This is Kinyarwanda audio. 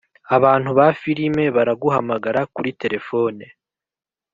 abantu ba firime baraguhamagara kuri terefone